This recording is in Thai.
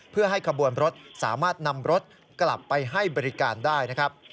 เพื่อให้ขบวนรถสามารถนำรถกลับไปให้บริการได้นะครับ